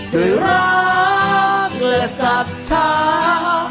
ด้วยรักและศรัทธา